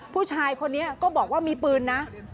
ผู้ชายคนนี้ก็บอกว่ามีปืนนะ